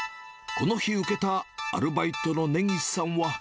この日受けたアルバイトのねぎしさんは。